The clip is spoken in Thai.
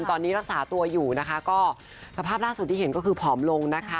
ตอนนี้รักษาตัวอยู่นะคะก็สภาพล่าสุดที่เห็นก็คือผอมลงนะคะ